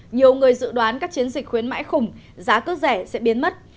nhiều người dự đoán các chiến dịch khuyến mãi khủng giá cước rẻ sẽ biến mất